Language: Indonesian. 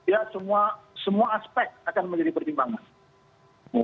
ya semua aspek akan menjadi pertimbangan